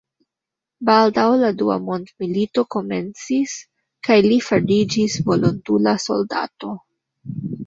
Baldaŭ la dua mond-milito komencis kaj li fariĝis volontula soldato.